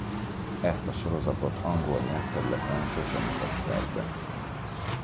Ezt a sorozatot angol nyelvterületen sose mutatták be.